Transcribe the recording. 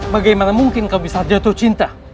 bagaimana mungkin kau bisa jatuh cinta